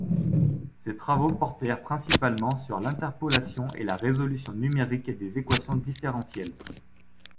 Ses travaux portèrent principalement sur l'interpolation et la résolution numérique des équations différentielles.